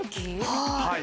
はい。